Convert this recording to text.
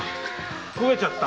焦げちゃった！